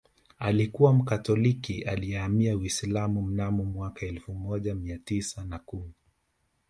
Alikuwa Mkatoliki aliyehamia Uislamu mnamo mwaka elfu moja mia tisa na kumi